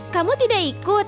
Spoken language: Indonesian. kamu tidak ikut